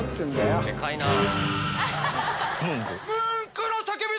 でかいなぁ。